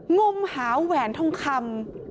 งมหาแหวนทองคำ